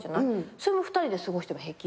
それも２人で過ごしても平気？